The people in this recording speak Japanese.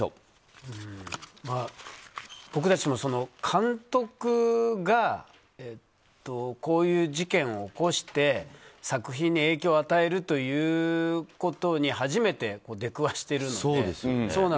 僕たちも監督がこういう事件を起こして作品に影響を与えるということに初めて出くわしてるので。